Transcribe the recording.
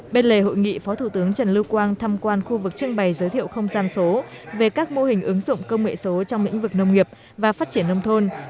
bên lề hội nghị phó thủ tướng trần lưu quang thăm quan khu vực trưng bày giới thiệu không gian số về các mô hình ứng dụng công nghệ số trong lĩnh vực nông nghiệp và phát triển nông thôn